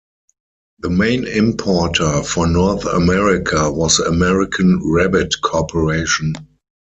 The main importer for North America was the American Rabbit Corporation.